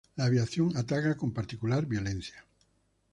La aviación ataca con particular violencia.